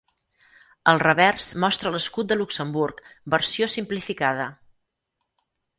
El revers mostra l'escut de Luxemburg versió simplificada.